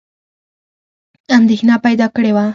اندېښنه پیدا کړې وه.